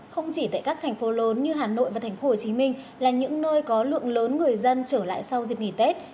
không chỉ tại các thành phố lớn như hà nội và thành phố hồ chí minh là những nơi có lượng lớn người dân trở lại sau dịch nghỉ tết